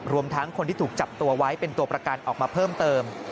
รวมทั้งคนที่ถูกจับตัวไว้เป็นตัวประกันออกมาเพิ่มเติม